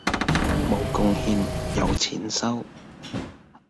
無貢獻有錢收